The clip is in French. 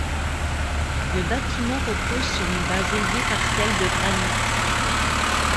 Le bâtiment repose sur une base élevée partielle de granit.